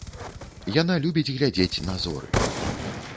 Яна любіць глядзець на зоры.